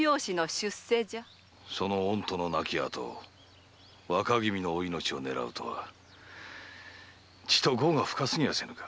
その御殿亡きあと若君のお命を狙うとはちと業が深すぎはせぬか？